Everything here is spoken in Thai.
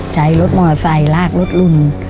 ใช้รถมอเตอร์ไซค์ลากรถลุม